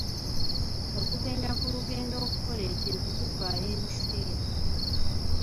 Okugenda ku lugendo okukola ekintu kutwala ebiseera.